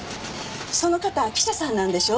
その方記者さんなんでしょ？